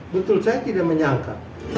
betul saya tidak menyangka